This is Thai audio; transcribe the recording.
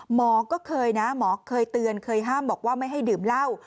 หมอก็เคยนะหมอเคยเตือนเคยห้ามบอกว่าไม่ให้ดื่มเหล้า